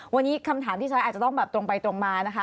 วันนี้คำถามที่ฉันอาจจะต้องแบบตรงไปตรงมานะคะ